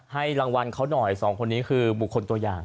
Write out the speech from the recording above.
ให้รางวัลเขาหน่อยสองคนนี้คือบุคคลตัวอย่าง